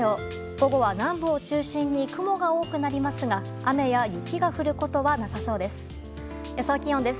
午後は南部を中心に雲が多くなりますが雨や雪が降ることはなさそうです。